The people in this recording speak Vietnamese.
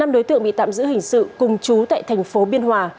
năm đối tượng bị tạm giữ hình sự cùng chú tại tp biên hòa